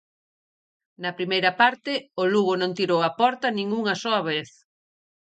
Na primeira parte, o Lugo non tirou a porta nin unha soa vez.